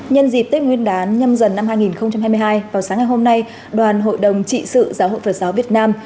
nhân dịp tết nguyên đán nhâm dần năm hai nghìn hai mươi hai vào sáng ngày hôm nay đoàn hội đồng trị sự giáo hội phật giáo việt nam